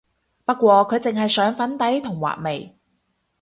不過佢淨係上粉底同畫眉